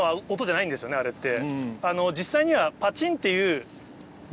あれって実際にはパチンっていう。